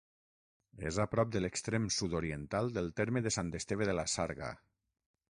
És a prop de l'extrem sud-oriental del terme de Sant Esteve de la Sarga.